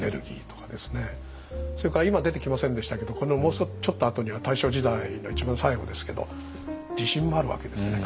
それから今出てきませんでしたけどこのもうちょっとあとには大正時代の一番最後ですけど地震もあるわけですね。